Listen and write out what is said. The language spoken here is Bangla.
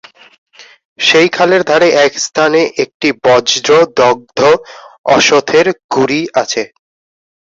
সেই খালের ধারে এক স্থানে একটি বজ্রদগ্ধ অশথের গুঁড়ি আছে।